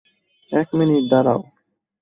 এক মিনিট দাড়াও।